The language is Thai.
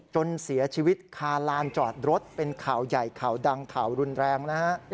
จนเสียชีวิตคาลานจอดรถเป็นข่าวใหญ่ข่าวดังข่าวรุนแรงนะฮะ